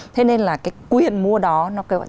thế nên là cái quyền mua đó nó kêu gọi